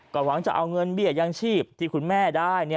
ก็หวังจะเอาเงินเบี้ยยังชีพที่คุณแม่ได้